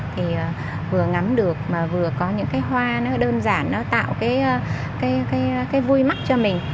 thì vừa ngắm được vừa có những hoa đơn giản nó tạo cái vui mắt cho mình